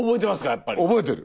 やっぱり。覚えてる。